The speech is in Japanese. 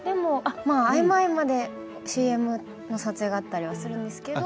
合間合間でＣＭの撮影があったりもするんですけれど。